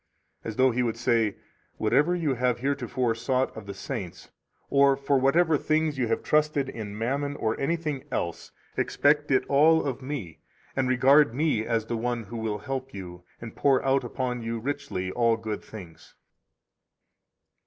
As though He would say; Whatever you have heretofore sought of the saints, or for whatever [things] you have trusted in Mammon or anything else, expect it all of Me, and regard Me as the one who will help you and pour out upon you richly all good things.